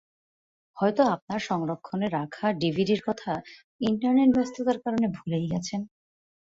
হয়তো আপনার সংরক্ষণে রাখা ডিভিডির কথা ইন্টারনেট ব্যস্ততার কারণে ভুলেই গেছেন।